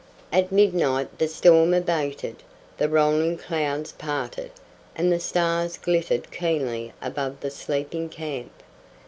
At midnight the storm abated, the rolling clouds parted, and the stars glittered keenly above the sleeping camp.